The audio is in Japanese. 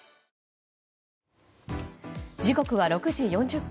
時刻は６時４０分。